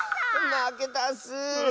まけたッス！